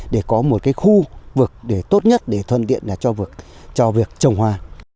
để có một khu vực tốt nhất để thuân tiện cho việc trồng hoa